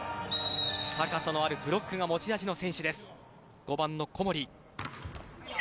高さのあるブロックが持ち味の選手です。